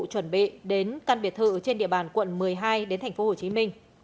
chuẩn bị đến căn biệt thự trên địa bàn quận một mươi hai tp hcm